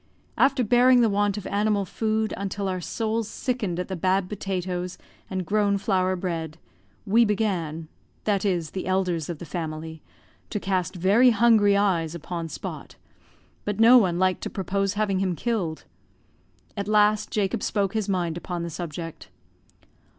After bearing the want of animal food until our souls sickened at the bad potatoes and grown flour bread, we began that is the elders of the family to cast very hungry eyes upon Spot; but no one liked to propose having him killed. At last Jacob spoke his mind upon the subject.